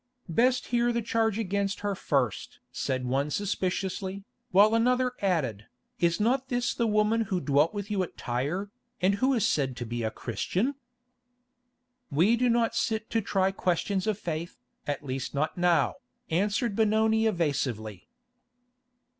"Best hear the charge against her first?" said one suspiciously, while another added, "Is not this the woman who dwelt with you at Tyre, and who is said to be a Christian?" "We do not sit to try questions of faith, at least not now," answered Benoni evasively.